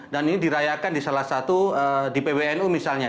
dan ini dirayakan di salah satu di pwnu misalnya